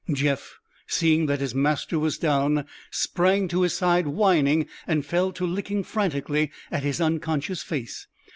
Jeff, seeing that his master was down, sprang to his side, whining, and fell to licking frantically at his unconscious face.